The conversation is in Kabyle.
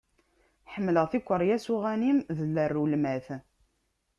Ḥemmleɣ tikeryas n uɣanim d larulmat.